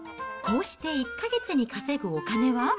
こうして１か月に稼ぐお金は。